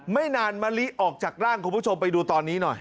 ไม่นานมะลิออกจากร่างคุณผู้ชมไปดูตอนนี้หน่อย